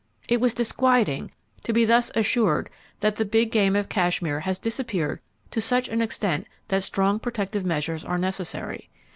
It was disquieting to be thus assured that the big game of Kashmir has disappeared to such an extent that strong protective measures are necessary.